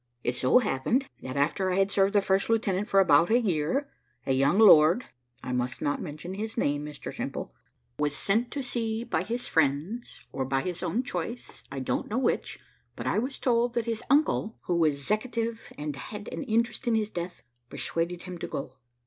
It so happened, that after I had served the first lieutenant for about a year, a young lord (I must not mention his name, Mr Simple) was sent to sea by his friends, or by his own choice, I don't know which, but I was told that his uncle, who was 'zeckative, and had an interest in his death, persuaded him to go.